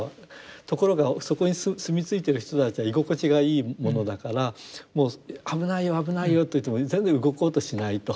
ところがそこに住み着いてる人たちは居心地がいいものだからもう危ないよ危ないよと言っても全然動こうとしないと。